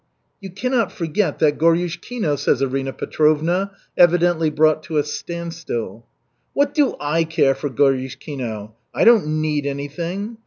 "You cannot forget that Goryushkino," says Arina Petrovna, evidently brought to a standstill. "What do I care for Goryushkino? I don't need anything.